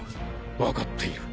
分かっている。